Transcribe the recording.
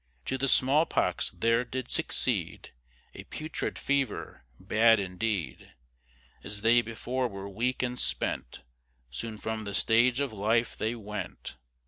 To the smallpox there did succeed A putrid fever, bad indeed; As they before were weak and spent, Soon from the stage of life they went.